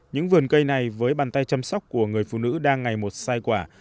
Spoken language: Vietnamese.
những vườn cây này với bàn tay chăm sóc của người phụ nữ đang ngày một sai quả